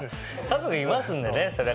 家族いますんでね